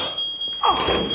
あっ！